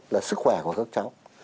là sức khỏe của các cháu